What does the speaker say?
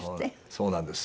そうなんです。